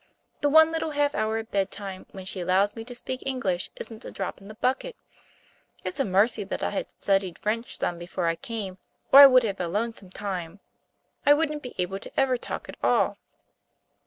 The one little half hour at bedtime when she allows me to speak English isn't a drop in the bucket. It's a mercy that I had studied French some before I came, or I would have a lonesome time. I wouldn't be able to ever talk at all."